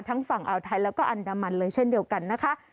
ฝั่งอ่าวไทยแล้วก็อันดามันเลยเช่นเดียวกันนะคะ